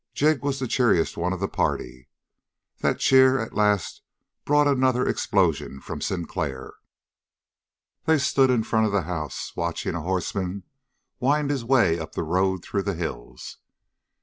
Jig was the cheeriest one of the party. That cheer at last brought another explosion from Sinclair. They stood in front of the house, watching a horseman wind his way up the road through the hills.